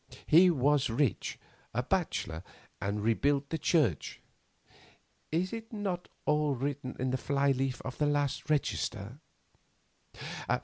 He was rich, a bachelor, and rebuilt the church. (Is it not all written in the fly leaf of the last register?)